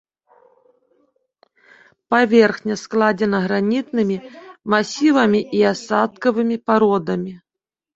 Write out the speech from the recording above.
Паверхня складзена гранітнымі масівамі і асадкавымі пародамі.